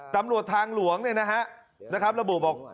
ตำรวจทางหลวงนะครับระบุบอก